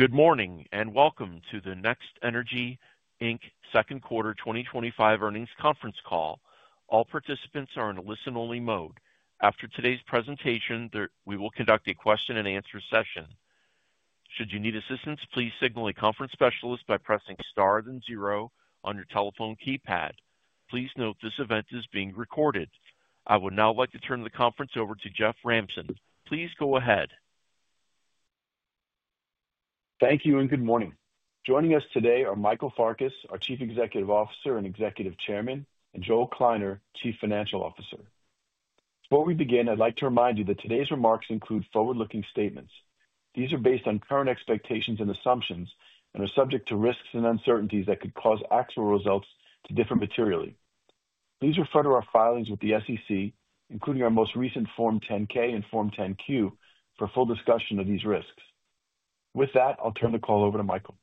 Good morning and welcome to the NextNRG Inc. Second Quarter 2025 Earnings Conference Call. All participants are in a listen-only mode. After today's presentation, we will conduct a question-and-answer session. Should you need assistance, please signal a conference specialist by pressing star then zero on your telephone keypad. Please note this event is being recorded. I would now like to turn the conference over to Jeff Ramson. Please go ahead. Thank you and good morning. Joining us today are Michael Farkas, our Chief Executive Officer and Executive Chairman, and Joel Kleiner, Chief Financial Officer. Before we begin, I'd like to remind you that today's remarks include forward-looking statements. These are based on current expectations and assumptions and are subject to risks and uncertainties that could cause actual results to differ materially. Please refer to our filings with the SEC, including our most recent Form 10-K and Form 10-Q, for full discussion of these risks. With that, I'll turn the call over to Michael.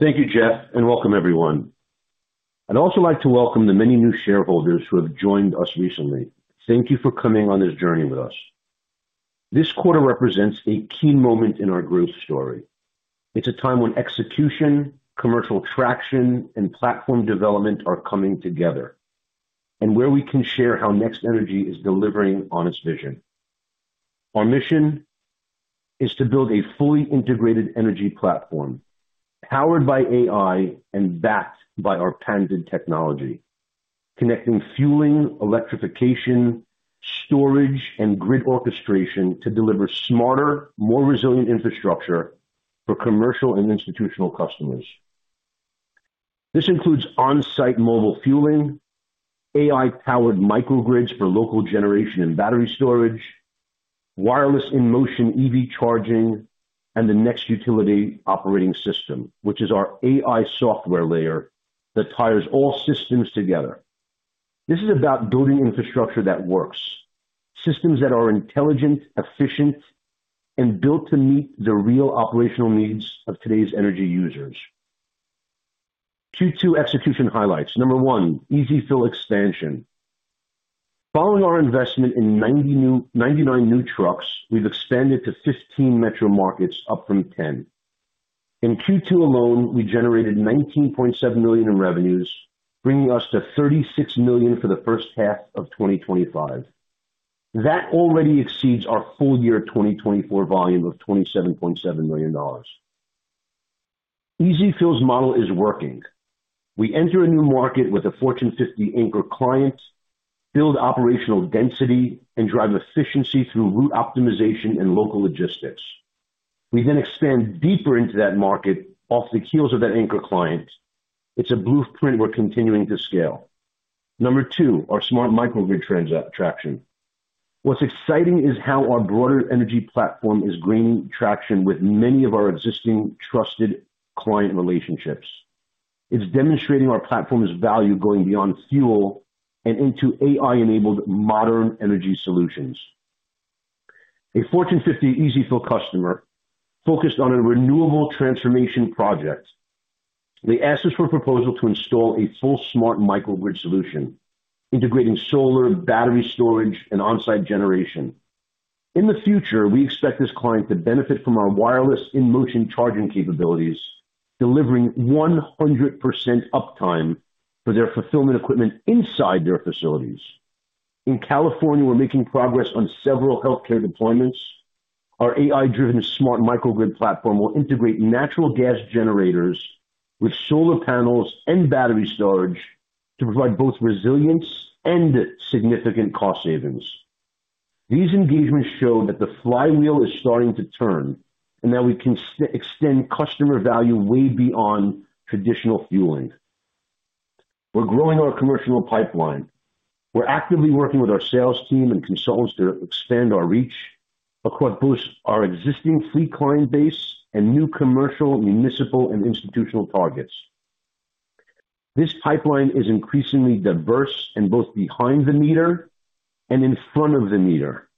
Thank you, Jeff, and welcome everyone. I'd also like to welcome the many new shareholders who have joined us recently. Thank you for coming on this journey with us. This quarter represents a key moment in our growth story. It's a time when execution, commercial traction, and platform development are coming together, and where we can share how NextNRG Inc. is delivering on its vision. Our mission is to build a fully integrated energy platform, powered by AI and backed by our patented technology, connecting fueling, electrification, storage, and grid orchestration to deliver smarter, more resilient infrastructure for commercial and institutional customers. This includes on-site mobile fueling, AI-powered microgrids for local generation and battery storage, wireless in-motion EV charging systems, and the Next Utility Operating System, which is our AI software layer that ties all systems together. This is about building infrastructure that works, systems that are intelligent, efficient, and built to meet the real operational needs of today's energy users. Q2 execution highlights. Number one, EzFill expansion. Following our investment in 99 new trucks, we've expanded to 15 metro markets, up from 10. In Q2 alone, we generated $19.7 million in revenues, bringing us to $36 million for the first half of 2025. That already exceeds our full-year 2024 volume of $27.7 million. EzFill's model is working. We enter a new market with a Fortune 50 anchor client, build operational density, and drive efficiency through route optimization and local logistics. We then expand deeper into that market off the heels of that anchor client. It's a blueprint we're continuing to scale. Number two, our smart microgrid traction. What's exciting is how our broader energy platform is gaining traction with many of our existing trusted client relationships. It's demonstrating our platform's value going beyond fuel and into AI-enabled modern energy solutions. A Fortune 50 EzFill customer focused on a renewable transformation project. They asked us for a proposal to install a full smart microgrid platform solution, integrating solar, battery storage, and on-site generation. In the future, we expect this client to benefit from our wireless in-motion EV charging systems, delivering 100% uptime for their fulfillment equipment inside their facilities. In California, we're making progress on several healthcare deployments. Our AI-driven smart microgrid platform will integrate natural gas generators with solar panels and battery storage to provide both resilience and significant cost savings. These engagements show that the flywheel is starting to turn and that we can extend customer value way beyond traditional fueling. We're growing our commercial pipeline. We're actively working with our sales team and consultants to expand our reach across both our existing fleet client base and new commercial, municipal, and institutional targets. This pipeline is increasingly diverse and both behind the meter and in front of the meter.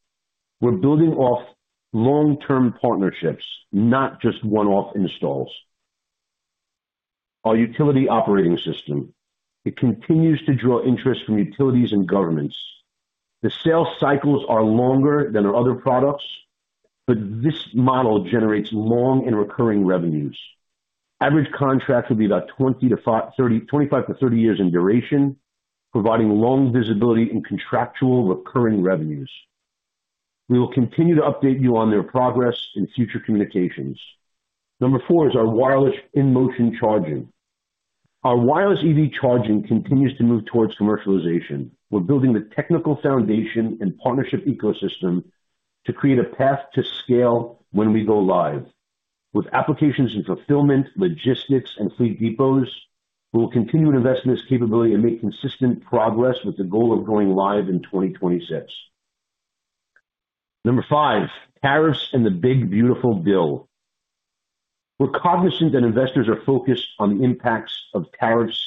We're building off long-term partnerships, not just one-off installs. Our Utility Operating System continues to draw interest from utilities and governments. The sales cycles are longer than our other products, but this model generates long and recurring revenues. Average contracts will be about 20 to 25 to 30 years in duration, providing long visibility and contractual recurring revenues. We will continue to update you on their progress and future communications. Number four is our wireless in-motion charging. Our wireless EV charging continues to move towards commercialization. We're building the technical foundation and partnership ecosystem to create a path to scale when we go live. With applications in fulfillment, logistics, and fleet depots, we will continue to invest in this capability and make consistent progress with the goal of going live in 2026. Number five, tariffs and the big beautiful bill. We're cognizant that investors are focused on the impacts of tariffs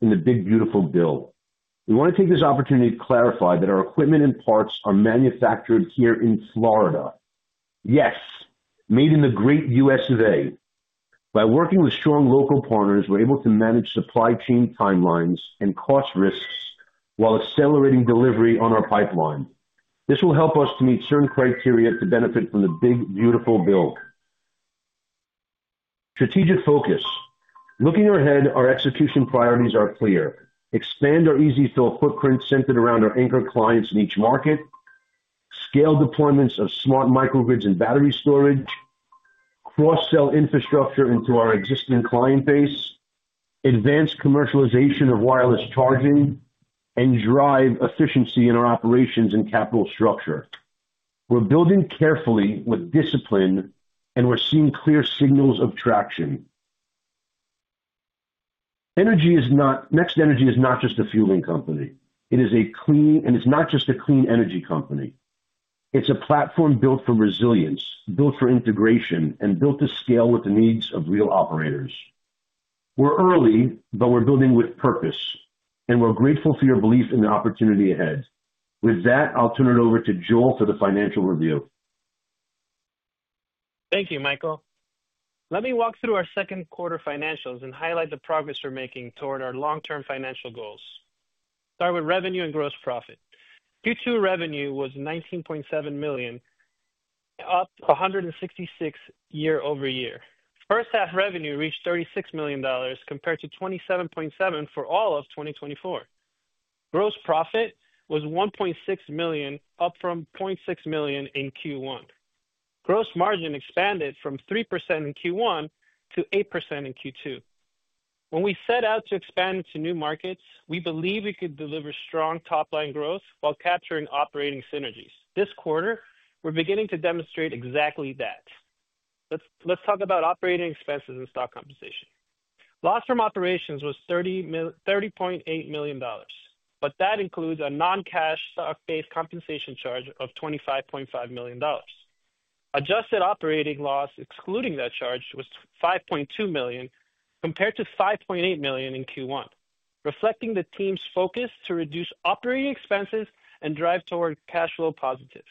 and the big beautiful bill. We want to take this opportunity to clarify that our equipment and parts are manufactured here in Florida. Yes, made in the great U.S. of A. By working with strong local partners, we're able to manage supply chain timelines and cost risks while accelerating delivery on our pipeline. This will help us to meet certain criteria to benefit from the big beautiful bill. Strategic focus. Looking ahead, our execution priorities are clear. Expand our EzFill footprint centered around our anchor clients in each market, scale deployments of smart microgrids and battery storage, cross-sell infrastructure into our existing client base, advance commercialization of wireless charging, and drive efficiency in our operations and capital structure. We're building carefully with discipline, and we're seeing clear signals of traction. NextNRG is not just a fueling company. It is a clean, and it's not just a clean energy company. It's a platform built for resilience, built for integration, and built to scale with the needs of real operators. We're early, but we're building with purpose, and we're grateful for your belief in the opportunity ahead. With that, I'll turn it over to Joel for the financial review. Thank you, Michael. Let me walk through our second quarter financials and highlight the progress we're making toward our long-term financial goals. Start with revenue and gross profit. Q2 revenue was $19.7 million, up 166% year-over-year. First half revenue reached $36 million, compared to $27.7 million for all of 2024. Gross profit was $1.6 million, up from $0.6 million in Q1. Gross margin expanded from 3% in Q1 to 8% in Q2. When we set out to expand into new markets, we believe we could deliver strong top-line growth while capturing operating synergies. This quarter, we're beginning to demonstrate exactly that. Let's talk about operating expenses and stock compensation. Loss from operations was $30.8 million, but that includes a non-cash stock-based compensation charge of $25.5 million. Adjusted operating loss excluding that charge was $5.2 million, compared to $5.8 million in Q1, reflecting the team's focus to reduce operating expenses and drive toward cash flow positive.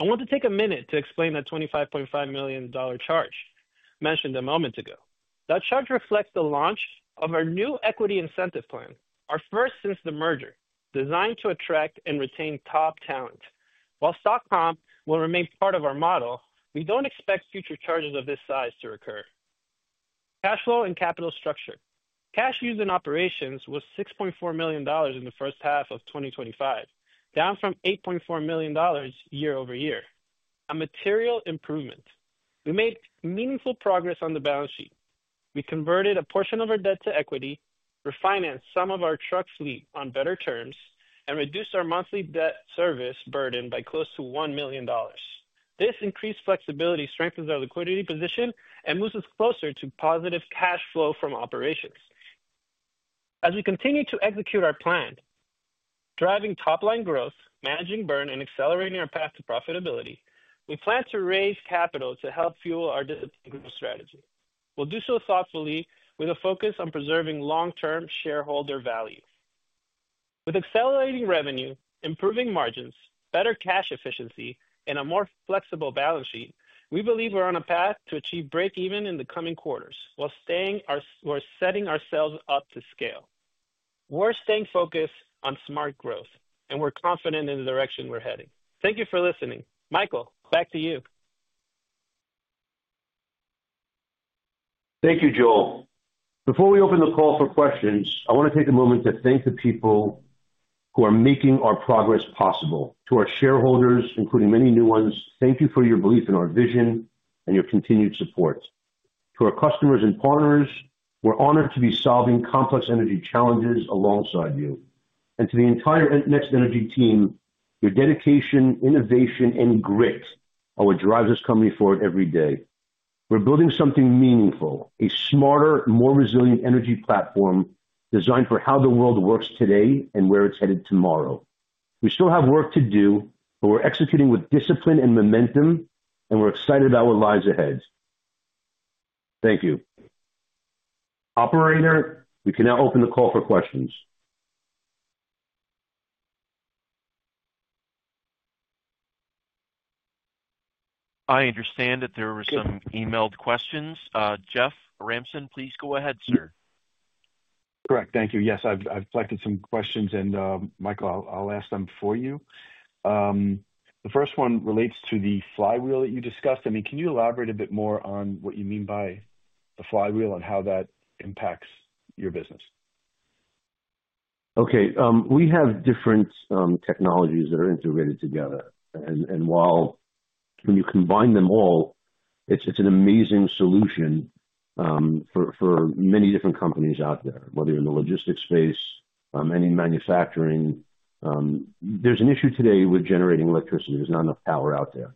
I want to take a minute to explain that $25.5 million charge mentioned a moment ago. That charge reflects the launch of our new equity incentive plan, our first since the merger, designed to attract and retain top talent. While stock comp will remain part of our model, we don't expect future charges of this size to recur. Cash flow and capital structure. Cash used in operations was $6.4 million in the first half of 2025, down from $8.4 million year-over-year. A material improvement. We made meaningful progress on the balance sheet. We converted a portion of our debt to equity, refinanced some of our truck fleet on better terms, and reduced our monthly debt service burden by close to $1 million. This increased flexibility strengthens our liquidity position and moves us closer to positive cash flow from operations. As we continue to execute our plan, driving top-line growth, managing burn, and accelerating our path to profitability, we plan to raise capital to help fuel our business strategy. We'll do so thoughtfully with a focus on preserving long-term shareholder value. With accelerating revenue, improving margins, better cash efficiency, and a more flexible balance sheet, we believe we're on a path to achieve break-even in the coming quarters while setting ourselves up to scale. We're staying focused on smart growth, and we're confident in the direction we're heading. Thank you for listening. Michael, back to you. Thank you, Joel. Before we open the call for questions, I want to take a moment to thank the people who are making our progress possible. To our shareholders, including many new ones, thank you for your belief in our vision and your continued support. To our customers and partners, we're honored to be solving complex energy challenges alongside you. To the entire NextNRG team, your dedication, innovation, and grit are what drive this company forward every day. We're building something meaningful, a smarter, more resilient energy platform designed for how the world works today and where it's headed tomorrow. We still have work to do, but we're executing with discipline and momentum, and we're excited about what lies ahead. Thank you. Operator, we can now open the call for questions. I understand that there were some emailed questions. Jeff Ramson, please go ahead, sir. Correct. Thank you. Yes, I've collected some questions, and Michael, I'll ask them for you. The first one relates to the flywheel that you discussed. Can you elaborate a bit more on what you mean by the flywheel and how that impacts your business? Okay. We have different technologies that are integrated together. While, when you combine them all, it's an amazing solution for many different companies out there, whether you're in the logistics space or any manufacturing. There's an issue today with generating electricity. There's not enough power out there.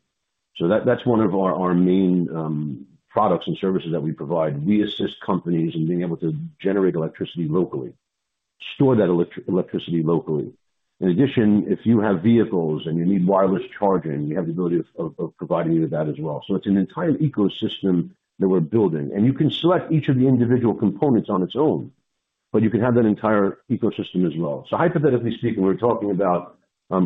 That's one of our main products and services that we provide. We assist companies in being able to generate electricity locally and store that electricity locally. In addition, if you have vehicles and you need wireless charging, we have the ability of providing you that as well. It's an entire ecosystem that we're building. You can select each of the individual components on its own, but you can have that entire ecosystem as well. Hypothetically speaking, we're talking about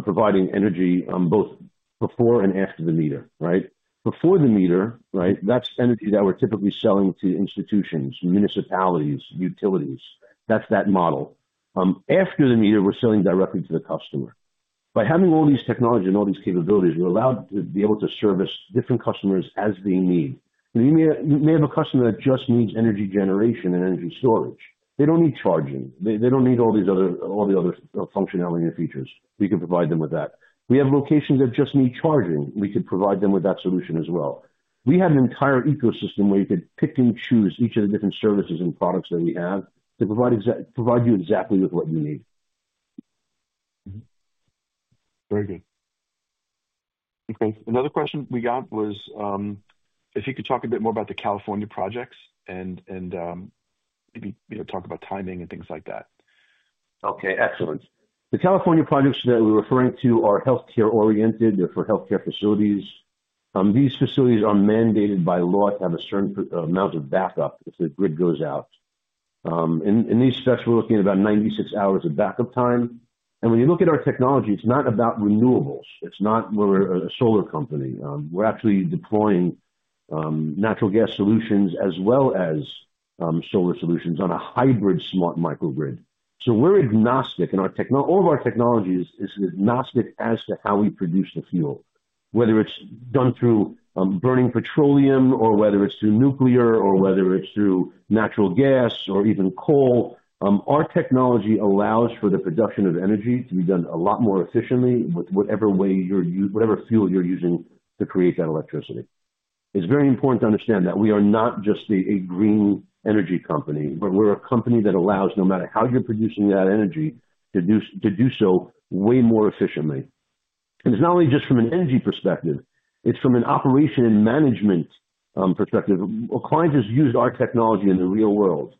providing energy both before and after the meter, right? Before the meter, that's energy that we're typically selling to institutions, municipalities, utilities. That's that model. After the meter, we're selling directly to the customer. By having all these technologies and all these capabilities, we're allowed to be able to service different customers as they need. You may have a customer that just needs energy generation and energy storage. They don't need charging. They don't need all the other functionality and features. We can provide them with that. We have locations that just need charging. We could provide them with that solution as well. We have an entire ecosystem where you could pick and choose each of the different services and products that we have to provide you exactly with what you need. Very good. Okay. Another question we got was, if you could talk a bit more about the California projects and maybe, you know, talk about timing and things like that. Okay. Excellent. The California projects that we're referring to are healthcare-oriented. They're for healthcare facilities. These facilities are mandated by law to have a certain amount of backup if the grid goes out. In these specs, we're looking at about 96 hours of backup time. When you look at our technology, it's not about renewables. It's not we're a solar company. We're actually deploying natural gas solutions as well as solar solutions on a hybrid smart microgrid. We're agnostic, and all of our technology is agnostic as to how we produce the fuel, whether it's done through burning petroleum or whether it's through nuclear or whether it's through natural gas or even coal. Our technology allows for the production of energy to be done a lot more efficiently with whatever way you're using, whatever fuel you're using to create that electricity. It's very important to understand that we are not just a green energy company, but we're a company that allows, no matter how you're producing that energy, to do so way more efficiently. It's not only just from an energy perspective. It's from an operation and management perspective. Our client has used our technology in the real world,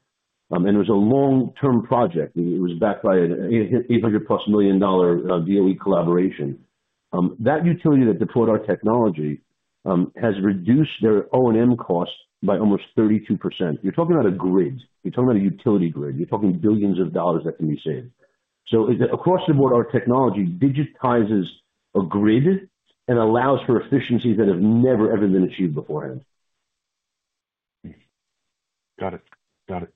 and it was a long-term project. It was backed by an $800+ million DOE collaboration. That utility that deployed our technology has reduced their O&M cost by almost 32%. You're talking about a grid. You're talking about a utility grid. You're talking billions of dollars that can be saved. Across the board, our technology digitizes a grid and allows for efficiencies that have never, ever been achieved beforehand. Got it.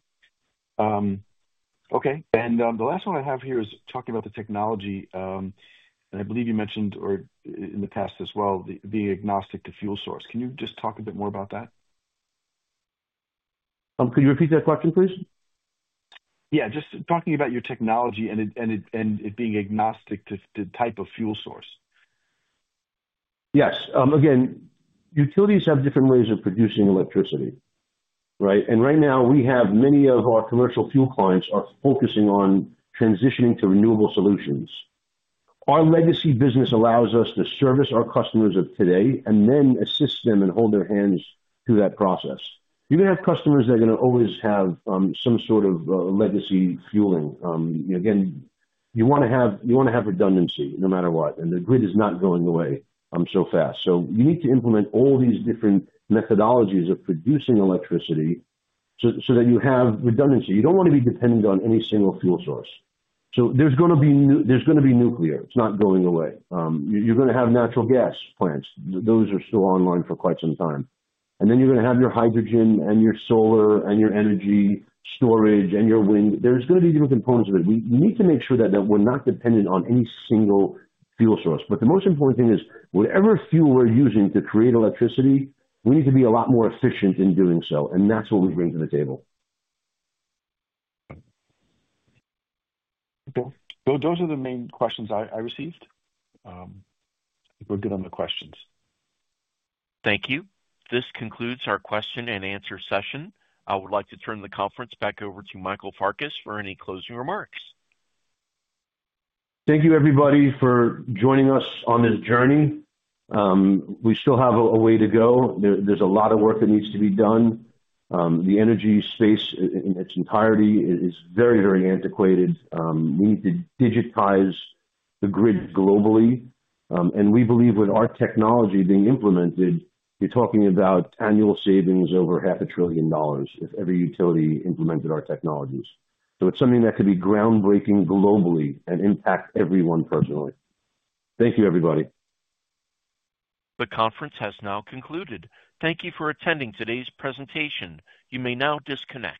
Okay. The last one I have here is talking about the technology. I believe you mentioned, or in the past as well, being agnostic to fuel source. Can you just talk a bit more about that? Could you repeat that question, please? Yeah, just talking about your technology and it being fuel-agnostic to the type of fuel source. Yes. Again, utilities have different ways of producing electricity, right? Right now, we have many of our commercial fuel clients focusing on transitioning to renewable solutions. Our legacy business allows us to service our customers of today and then assist them and hold their hands through that process. You are going to have customers that are going to always have some sort of legacy fueling. You want to have redundancy no matter what. The grid is not going away so fast. You need to implement all these different methodologies of producing electricity so that you have redundancy. You do not want to be dependent on any single fuel source. There is going to be nuclear. It is not going away. You are going to have natural gas plants. Those are still online for quite some time. You are going to have your hydrogen and your solar and your energy storage and your wind. There are going to be different components of it. We need to make sure that we are not dependent on any single fuel source. The most important thing is whatever fuel we are using to create electricity, we need to be a lot more efficient in doing so. That is what we bring to the table. Okay. Those are the main questions I received. I think we're good on the questions. Thank you. This concludes our question-and answer session. I would like to turn the conference back over to Michael Farkas for any closing remarks. Thank you, everybody, for joining us on this journey. We still have a way to go. There's a lot of work that needs to be done. The energy space in its entirety is very, very antiquated. We need to digitize the grid globally. We believe with our technology being implemented, you're talking about annual savings over $0.5 trillion if every utility implemented our technologies. It is something that could be groundbreaking globally and impact everyone personally. Thank you, everybody. The conference has now concluded. Thank you for attending today's presentation. You may now disconnect.